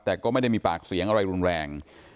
แต่ก็ไม่ได้มีปากเสียงอะไรรุนแรง